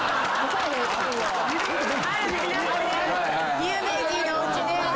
有名人のおうちね！